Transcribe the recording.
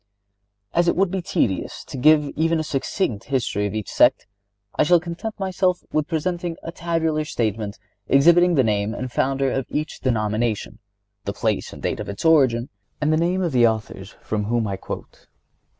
As it would be tedious to give even a succinct history of each sect, I shall content myself with presenting a tabular statement exhibiting the name and founder of each denomination, the place and date of its origin, and the names of the authors from whom I quote.